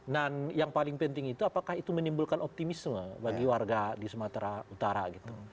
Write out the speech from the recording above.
dan yang paling penting itu apakah itu menimbulkan optimisme bagi warga di sumatera utara gitu